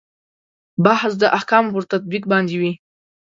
بحث د احکامو پر تطبیق باندې وي.